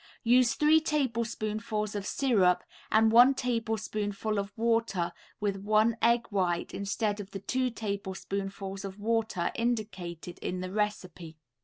Use three tablespoonfuls of syrup and one tablespoonful of water with one egg white instead of the two tablespoonfuls of water indicated in the recipe).